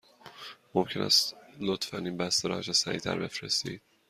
ممکن است لطفاً این بسته را هرچه سریع تر بفرستید؟